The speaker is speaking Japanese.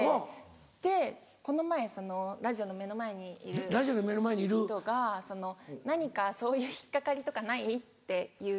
でこの前ラジオの目の前にいる人が「何かそういう引っ掛かりとかない？」っていう質問。